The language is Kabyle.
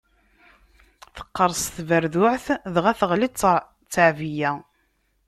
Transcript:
Teqqerṣ tberduɛt, dɣa teɣli tteɛbeyya.